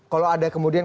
kalau ada kemudian